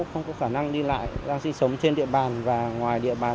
không có khả năng đi lại đang sinh sống trên địa bàn và ngoài địa bàn